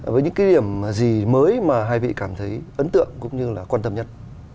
với những cái điểm gì mới mà hai vị cảm thấy ấn tượng cũng như là quan tâm nhất